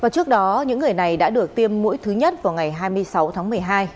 trước đó những người này đã được tiêm mũi thứ nhất vào ngày hai mươi sáu tháng một mươi hai